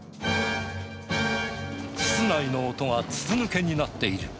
室内の音が筒抜けになっている。